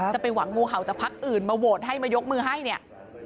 จะไปหวังงูเห่าจากพักอื่นมาโหวตให้มายกมือให้เนี่ย